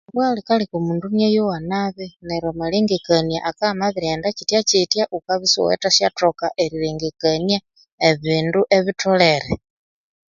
Nikwa rikaleka omundu inyayowa nabi, neryo amalengekania akabya amabiriyenda kyithya kithya wukabya isiwangathasathoka erilengekania ebindu ebitholere.